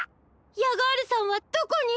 ヤガールさんはどこに！？